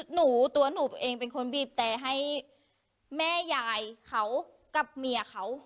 หนูตัวหนูเองเป็นคนบีบแต่ให้แม่ยายเขากับเมียเขา